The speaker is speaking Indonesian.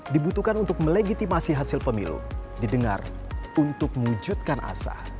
dibutuhkan untuk melegitimasi hasil pemilu didengar untuk mewujudkan asah